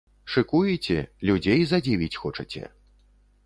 Шыкуеце, людзей задзівіць хочаце.